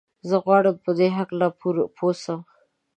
زه غواړم په دي هکله پوه سم.